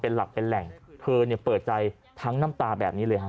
เป็นหลักเป็นแหล่งเธอเนี่ยเปิดใจทั้งน้ำตาแบบนี้เลยฮะ